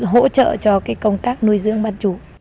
hỗ trợ cho công tác nuôi dưỡng bán chú